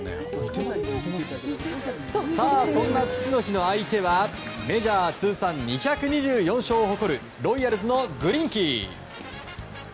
さあ、そんな父の日の相手はメジャー通算２２４勝を誇るロイヤルズのグリンキー。